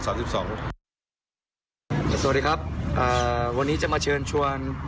สวัสดีครับวันนี้จะมาเชิญชวน